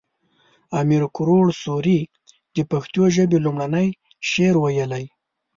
امیر کروړ سوري د پښتو ژبې لومړنی شعر ويلی